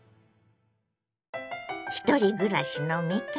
ひとり暮らしの味方